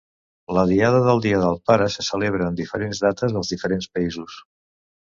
La diada del dia del pare se celebra en diferents dates als diferents països.